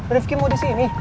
rifki mau disini